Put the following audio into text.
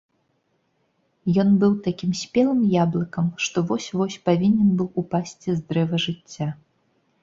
Ён ужо быў такім спелым яблыкам, што вось-вось павінен быў упасці з дрэва жыцця.